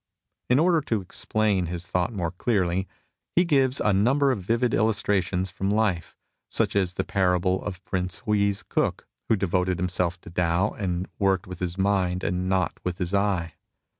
In order to explain his thought more clearly, he gives a number of vivid illustrations from life, such as the parable of Prince Hui's cook, who devoted himself to Tao and worked with his mind and not with his eye.